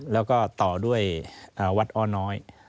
แล้วก็ต่อด้วยวัดอ้อน้อย